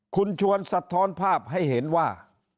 คุณชวนสะท้อนภาพให้เห็นว่า